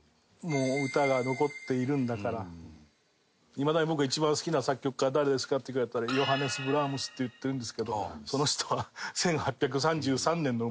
いまだに「僕が一番好きな作曲家誰ですか？」って聞かれたらヨハネス・ブラームスって言ってるんですけど。